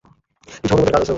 কিছু অনুবাদের কাজ আছে ওর।